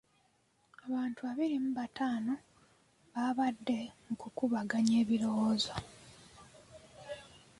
Abantu abiri mu bataano baabadde mu kukubaganya ebirowoozo.